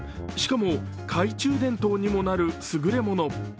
しかも、懐中電灯にもなるすぐれもの。